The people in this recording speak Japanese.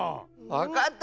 わかった！